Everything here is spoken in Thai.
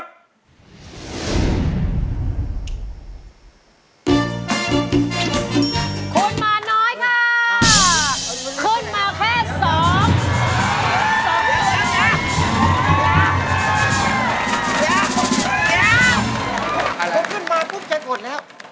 ผมขึ้นมาปุ๊บแกก่อนแล้ว